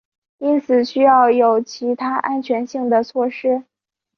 因此需要有其他安全性的措施。